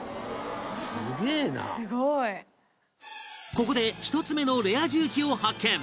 ここで１つ目のレア重機を発見